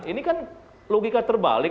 ini kan logika terbalik